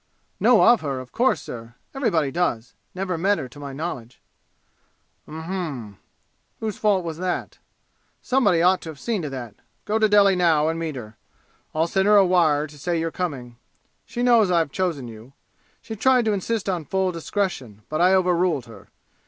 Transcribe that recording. "Know of her, of course, sir. Everybody does. Never met her to my knowledge." "Um m m! Whose fault was that? Somebody ought to have seen to that. Go to Delhi now and meet her. I'll send her a wire to say you're coming. She knows I've chosen you. She tried to insist on full discretion, but I overruled her.